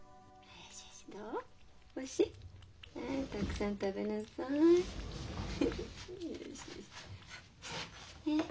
はいたくさん食べなさい。